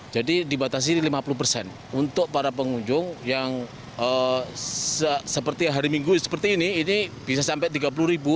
jadi dibatasi lima puluh persen untuk para pengunjung yang hari minggu seperti ini ini bisa sampai tiga puluh ribu